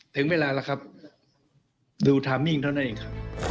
ถึงเวลาแล้วครับดูไทมมิ่งเท่านั้นเองครับ